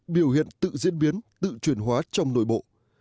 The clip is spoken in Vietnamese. biểu hiện tự diễn biến tự truyền hóa trong nội bộ